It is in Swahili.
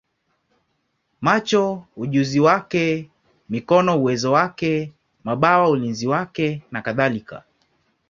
macho ujuzi wake, mikono uwezo wake, mabawa ulinzi wake, nakadhalika.